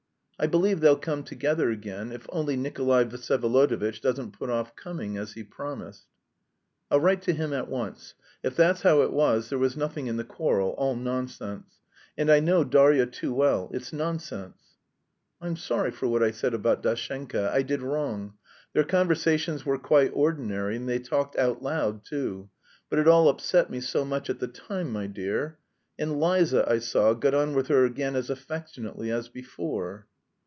I believe they'll come together again, if only Nikolay Vsyevolodovitch doesn't put off coming, as he promised." "I'll write to him at once. If that's how it was, there was nothing in the quarrel; all nonsense! And I know Darya too well. It's nonsense!" "I'm sorry for what I said about Dashenka, I did wrong. Their conversations were quite ordinary and they talked out loud, too. But it all upset me so much at the time, my dear. And Liza, I saw, got on with her again as affectionately as before...."